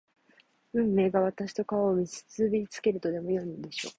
運命が私と川を結びつけるとでもいうのでしょうか